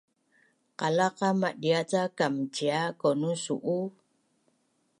Qalaqa madia’ ca kamcia’ kaunusu’u?